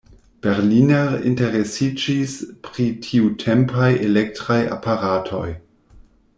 Berliner interesiĝis pri tiutempaj elektraj aparatoj.